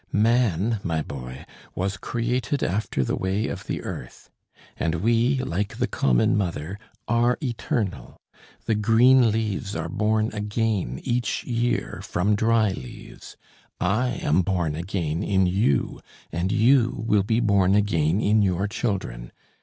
Man, my boy, was created after the way of the earth. And we, like the common mother, are eternal: the green leaves are born again each year from dry leaves; I am born again in you, and you will be born again in your children.